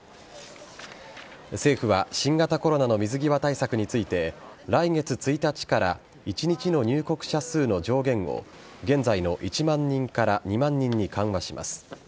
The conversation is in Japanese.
政府は新型コロナの水際対策について来月１日から１日の入国者数の上限を現在の１万人から２万人に緩和します。